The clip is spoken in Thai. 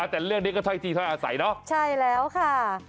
แต่เรื่องนี้ก็ถ้อยทีถ้อยอาศัยเนอะใช่แล้วค่ะ